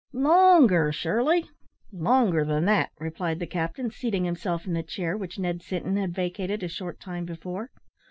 "Longer, Shirley, longer than that," replied the captain, seating himself in the chair which Ned Sinton had vacated a short time before.